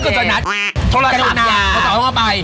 คือถ้าเกิดจะนัดทุนรัฐศัพท์